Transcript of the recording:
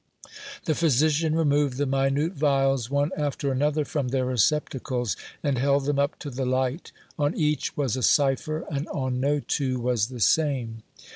The physician removed the minute vials one after another from their receptacles, and held them up to the light; on each was a cipher, and on no two was the same.